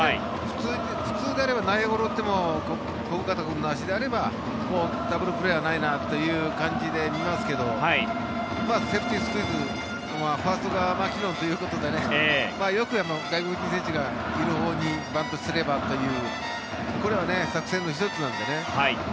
普通であれば内野ゴロを打っても小深田君の足であればダブルプレーはないなという感じで見ますけどセーフティースクイズファーストがマキノンということでよく外国人選手がいるほうにバントすればというこれは作戦の１つなので。